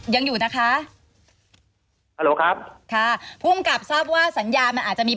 ยังอยู่นะคะฮัลโหลครับค่ะผู้กำกับทราบว่าสัญญาณมันอาจจะมี